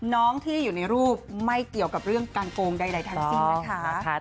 น้องที่อยู่ในรูปไม่เกี่ยวกับเรื่องการโกงใดทั้งสิ้นนะคะ